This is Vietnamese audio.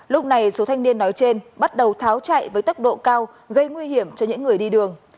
lúc này số thanh niên nói trên bắt đầu tháo chạy với tốc độ cao gây nguy hiểm cho những người đi đường